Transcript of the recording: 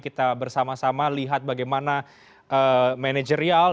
kita bersama sama lihat bagaimana manajerial